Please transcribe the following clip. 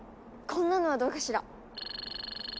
こんなのはどうかしら？